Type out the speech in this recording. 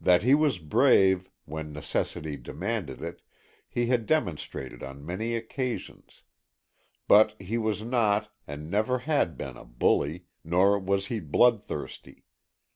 That he was brave, when necessity demanded it he had demonstrated on many occasions. But he was not, and never had been a bully, nor was he bloodthirsty.